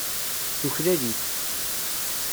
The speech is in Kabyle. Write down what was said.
Tuklal-it.